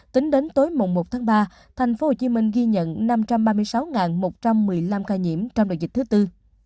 tính đến tối một tháng ba tp hcm ghi nhận năm trăm ba mươi sáu một trăm một mươi năm ca nhiễm trong đợt dịch thứ tư